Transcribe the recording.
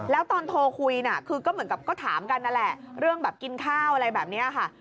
แล้วตอนโทรคุยก็ถามกันน่ะแหละเรื่องกินข้าวอะไรแบบนี้ค่ะ